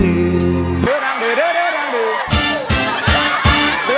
ดื้อดังดื้อดื้อดังดื้อ